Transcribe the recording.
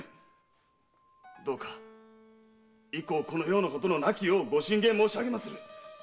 どうか以降このようなことのなきようご進言申し上げまする。